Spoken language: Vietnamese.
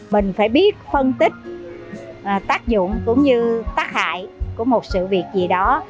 mình phải biết phân tích tác dụng cũng như tác hại của một sự việc gì đó